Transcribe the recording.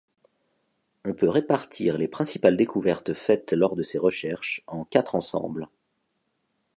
On peut répartir les principales découvertes faites lors de ces recherches en quatre ensembles.